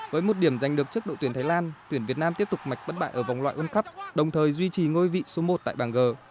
với một điểm giành được trước đội tuyển thái lan tuyển việt nam tiếp tục mạch bất bại ở vòng loại world cup đồng thời duy trì ngôi vị số một tại bảng g